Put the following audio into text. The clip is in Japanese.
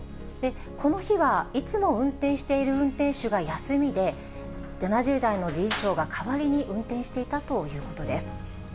この日は、いつも運転している運転手が休みで、７０代の理事長が代わりに運転していたということです。